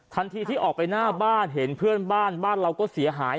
ทันทีที่ออกไปหน้าบ้านเห็นเพื่อนบ้านบ้านเราก็เสียหาย